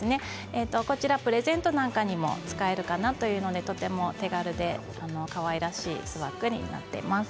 こちらはプレゼントなんかにも使えるかなというのでとっても手軽でかわいらしいスワッグになっています。